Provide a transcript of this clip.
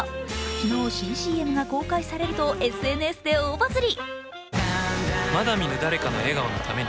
昨日、新ＣＭが公開されるとＳＮＳで大バズり。